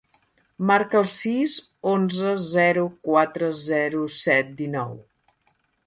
Marca el sis, onze, zero, quatre, zero, set, dinou.